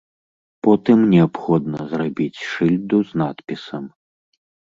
Потым неабходна зрабіць шыльду з надпісам.